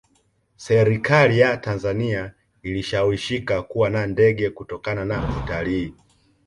serikali ya tanzania ilishawishika kuwa na ndege kutokana na utalii